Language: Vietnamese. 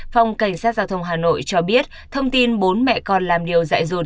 phòng cảnh sát giao thông hà nội cho biết thông tin bốn mẹ con làm điều dại dột